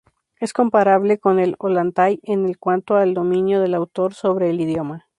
Es comparable con el Ollantay en cuanto al dominio del autor sobre el idioma.